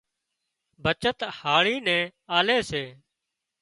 بچت هاۯي نين آلي سي